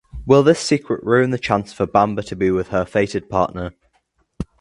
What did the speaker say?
Will this secret ruin the chance for Bamba to be with her fated partner?